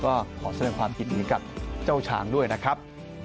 ก็ขอแสดงความยินดีกับเจ้าช้างด้วยนะครับ